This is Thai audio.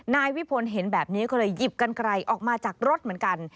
นายวิพลเห็นแบบนี้ก็เลยหยิบกันไกลออกมาจากรถเหมือนกัน